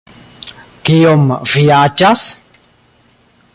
Kiom vi aĝas?